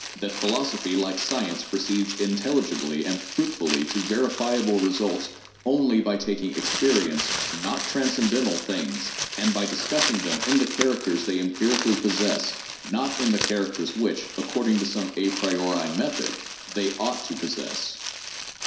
that phi losophy, like science, proceeds intelligibly and fruitfully to verifiable results only by taking experienced, not transcendental, things, and by discussing them in the characters they empirically possess, not in the characters which, according to some a priori method, they ought to possess?